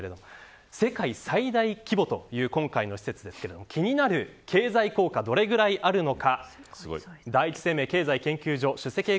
世界最大規模という今回の施設ですが気になる経済効果はどれくらいあるのか。